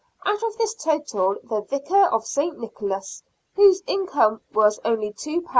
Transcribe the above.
Out of this total the vicar of St. Nicholas, whose income was only £2 13s.